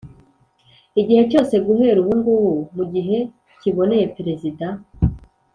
igihe cyose guhera ubungubu mu gihe kiboneye parezida